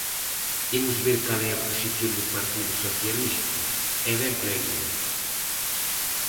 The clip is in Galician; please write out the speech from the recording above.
Imos ver cal é a posición do Partido Socialista; é ben clariña.